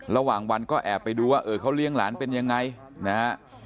ระหว่างวันก็แอบไปดูว่าเออเขาเลี้ยงหลานเป็นยังไงนะฮะ